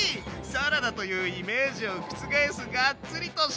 サラダというイメージを覆すガッツリとした見た目！